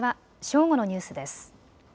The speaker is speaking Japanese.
正午のニュースです。